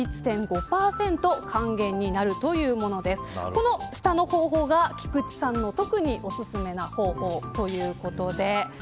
この下の方法が菊地さんの特におすすめな方法ということです。